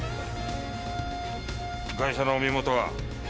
ガイシャの身元は？